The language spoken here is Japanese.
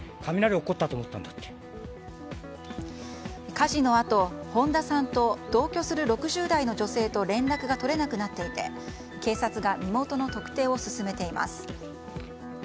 火事のあと、本田さんと同居する６０代の女性と連絡が取れなくなっていて警察が身元の特定を進めています。